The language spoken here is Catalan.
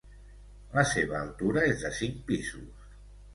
La seva altura és de cinc pisos.